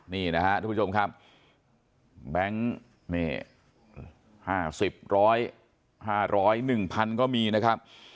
นี่นะฮะทุกผู้ชมครับแบงค์ห้าสิบร้อยห้าร้อยหนึ่งพันก็มีนะครับ